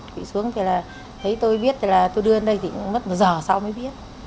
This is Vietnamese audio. quỵ xuống thì là thấy tôi biết thì là tôi đưa đến đây thì mất một giờ sau mới biết